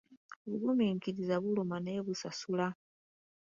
Obugumiikiriza buluma naye busasula.